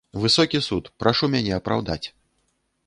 Высокі суд, прашу мяне апраўдаць.